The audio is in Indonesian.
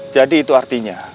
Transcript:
jadi itu artinya